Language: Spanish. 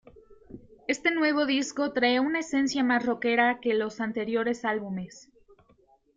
Este nuevo disco trae una esencia más roquera que los anteriores álbumes.